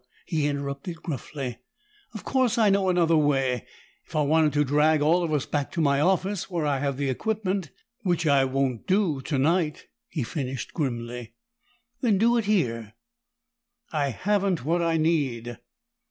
he interrupted gruffly. "Of course I know another way, if I wanted to drag all of us back to my office, where I have the equipment! which I won't do tonight," he finished grimly. "Then do it here." "I haven't what I need."